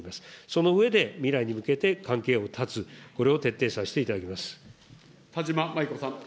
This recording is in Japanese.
その上で、未来に向けて関係を断つ、これを徹底させていただきま田島麻衣子さん。